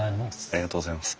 ありがとうございます。